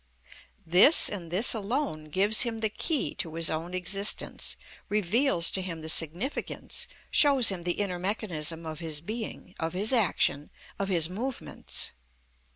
This and this alone gives him the key to his own existence, reveals to him the significance, shows him the inner mechanism of his being, of his action, of his movements.